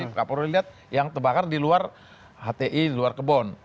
bisa saja dilihat yang terbakar di luar hti di luar kebon